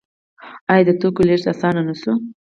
آیا د توکو لیږد اسانه نشو؟